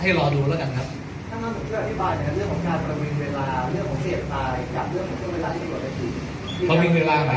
หลอกว่าตัวกลิ่งนี้วิ่งไง